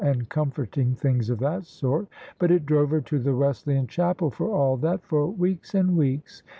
and comforting things of that sort. But it drove her to the Wesleyan Chapel for all that, for weeks and weeks.